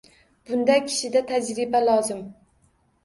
Bunda kishida tajriba lozim.